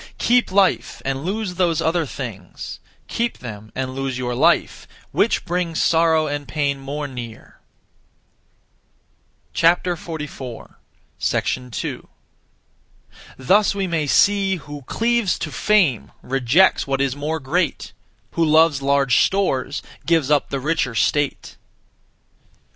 Keep life and lose those other things; Keep them and lose your life: which brings Sorrow and pain more near? 2. Thus we may see, Who cleaves to fame Rejects what is more great; Who loves large stores Gives up the richer state.